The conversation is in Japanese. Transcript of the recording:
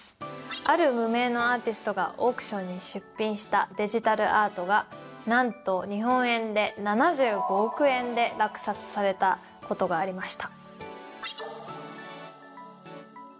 ある無名のアーティストがオークションに出品したデジタルアートがなんと日本円で７５億円で落札されたことがありました。